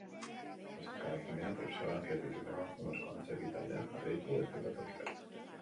Besarkada ekimenak profesionalak ez diren emakumezko antzerki taldeak jarri ditu eszenatokian.